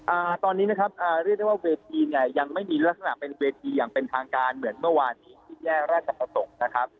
อ่าตอนนี้นะครับอ่าเรียกได้ว่าเวทีเนี่ยยังไม่มีลักษณะเป็นเวทีอย่างเป็นทางการเหมือนเมื่อวานนี้ที่แยกราชประสงค์นะครับ